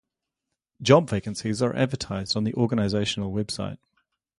Job vacancies are advertised on the organisational website.